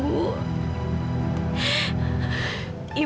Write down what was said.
ibu tenang ya ibu